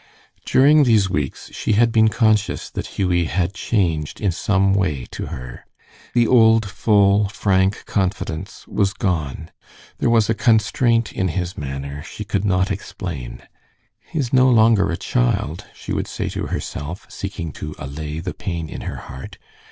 During these weeks she had been conscious that Hughie had changed in some way to her. The old, full, frank confidence was gone. There was a constraint in his manner she could not explain. "He is no longer a child," she would say to herself, seeking to allay the pain in her heart.